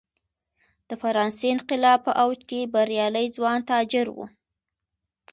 د فرانسې انقلاب په اوج کې بریالي ځوان تاجر و.